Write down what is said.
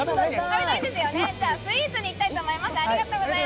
では、スイーツにいきたいと思います。